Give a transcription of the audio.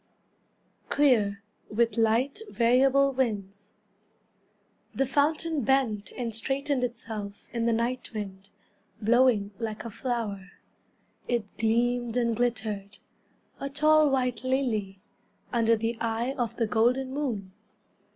Clear, with Light, Variable Winds The fountain bent and straightened itself In the night wind, Blowing like a flower. It gleamed and glittered, A tall white lily, Under the eye of the golden moon.